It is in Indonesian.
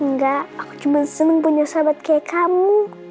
enggak aku cuma senang punya sahabat kayak kamu